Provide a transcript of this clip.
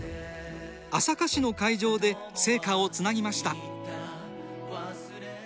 朝霞市の会場で聖火をつなぎました。